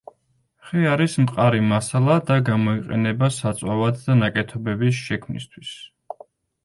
ხე არის მყარი მასალა და გამოიყენება საწვავად და ნაკეთობების შექმნისთვის.